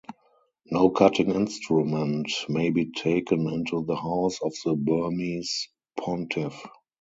No cutting instrument may be taken into the house of the Burmese pontiff.